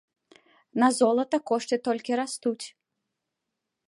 На золата кошты толькі растуць!